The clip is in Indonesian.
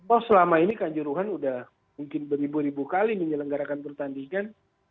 oh selama ini kanjuruhan sudah mungkin beribu ribu kali menyelenggarakan pertandingan